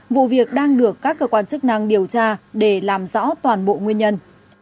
vụ việc đang được các cơ quan chức năng điều tra để làm rõ toàn bộ nguyên nhân